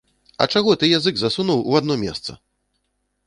А чаго ты язык засунуў у адно месца?